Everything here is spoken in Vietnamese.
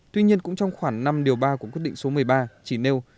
tuy nhiên cũng trong khoảng năm điều ba của quyết định số một mươi ba chỉ nêu